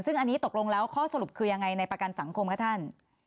ซึ่งอันนี้ตกลงแล้วข้อสรุปคือยังไงในประกันสังคมคะท่าน